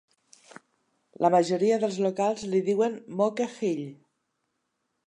La majoria dels locals li diuen Moke Hill.